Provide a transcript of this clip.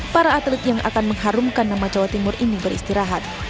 para atlet yang akan mengharumkan nama jawa timur ini beristirahat